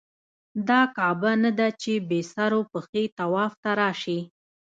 دا کعبه نه ده چې بې سر و پښې طواف ته راشې.